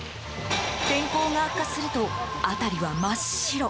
天候が悪化すると辺りは真っ白。